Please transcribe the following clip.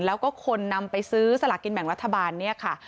แล้วก็คนนำไปซื้อสลากินแบ่งรัฐบาลเนี่ยค่ะ